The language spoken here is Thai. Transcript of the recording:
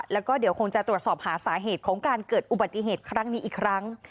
แล้วก็เดี๋ยวคงจะตรวจสอบหาสาเหตุของการเกิดอุบัติเหตุครั้งนี้อีกครั้ง